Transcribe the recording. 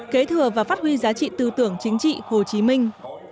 kế thừa và phát huy giá trị tư tưởng chính trị hồ chí minh